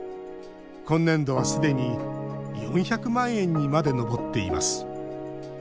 今年度はすでに４００万円にまで上っています。